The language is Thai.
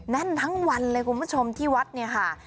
แน่นทั้งวันเลยคุณผู้ชมที่วัดเนี่ยค่ะ